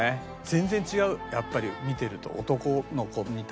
全然違うやっぱり見てると。